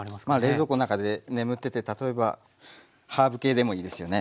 冷蔵庫中で眠ってて例えばハーブ系でもいいですよね。